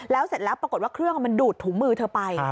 แล้วเสร็จแล้วปรากฏว่าเครื่องมันดูดถุงมือเธอไป